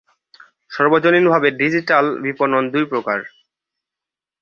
সর্বজনীনভাবে, ডিজিটাল বিপণন দুই প্রকার।